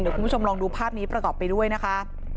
คุณผู้ชมลองดูภาพนี้ประกอบไปด้วยนะคะ